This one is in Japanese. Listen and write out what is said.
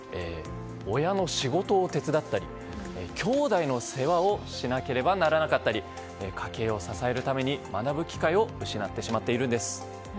親の仕事を手伝ったりきょうだいの世話をしなければならなかったり家計を支えるために、学ぶ機会を失ってしまっているんです。